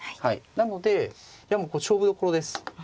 なのでいやもう勝負どころです。